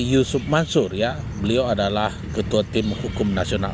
yusuf mansur ya beliau adalah ketua tim hukum nasional